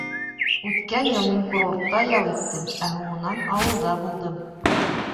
Үткән йыл мин курортта ял иттем, ә һуңынан ауылда булдым.